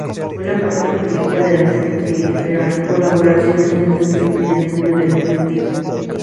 Fue la cuarta película de la fructífera colaboración entre Joselito y Antonio del Amo.